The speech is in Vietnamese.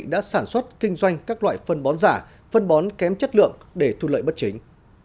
đã sản xuất kinh doanh các loại phân bón giả phân bón kém chất lượng để thu lợi bất chính